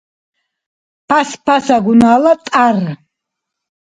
Пяспясагунала тӀяр